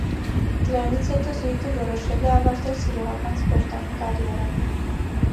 Դրանից հետո զույգը որոշել է ավարտել սիրողական սպորտային կարիերան։